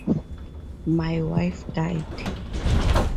My wife died.